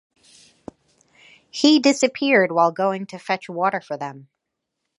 He disappeared while going to fetch water for them.